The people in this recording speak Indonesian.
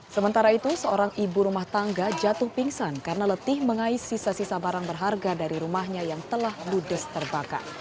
sementara itu seorang ibu rumah tangga jatuh pingsan karena letih mengais sisa sisa barang berharga dari rumahnya yang telah ludes terbakar